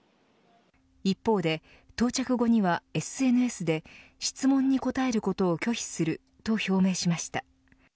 一方で到着後にはＳＮＳで質問に答えることを拒否すると表明しました。